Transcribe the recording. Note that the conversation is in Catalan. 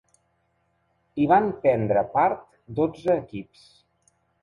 Hi van prendre part dotze equips.